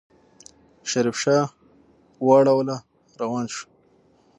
شريف شا واړوله روان شو.